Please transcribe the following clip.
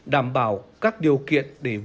đảm bảo các điều kiện để vượt ra thương hiệu